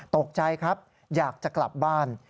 ตกใจครับอยากจะกลับบ้าน